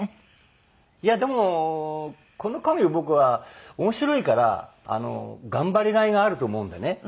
いやでもこの稼業僕は面白いから頑張りがいがあると思うんでね。